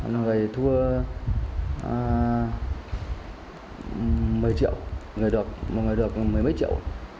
người thua một mươi triệu người được một người được một mươi mấy triệu